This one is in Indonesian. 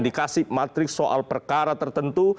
dikasih matrik soal perkara tertentu